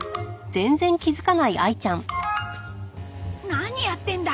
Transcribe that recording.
何やってんだ？